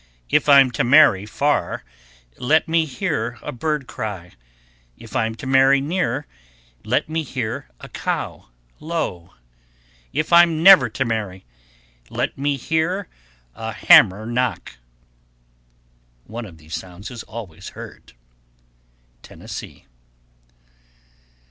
If I'm to marry far, let me hear a bird cry; If I'm to marry near, let me hear a cow low; If I'm never to marry, let me hear a hammer knock. One of these sounds is always heard. _Tennessee.